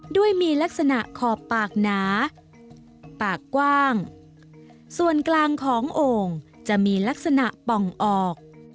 ด้วยมีลักษณะขอบปากหนาปากกว้างส่วนกลางของโอ่งจะมีลักษณะป่องออก